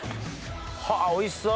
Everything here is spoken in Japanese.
はぁおいしそう！